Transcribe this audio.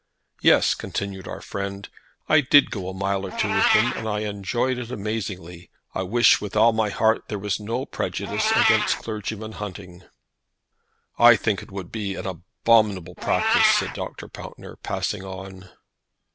"Yes," continued our friend, "I did go a mile or two with them, and I enjoyed it amazingly. I wish with all my heart there was no prejudice against clergymen hunting." "I think it would be an abominable practise," said Dr. Pountner, passing on.